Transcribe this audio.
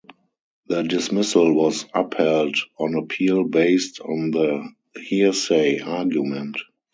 The dismissal was upheld on appeal based on the hearsay argument.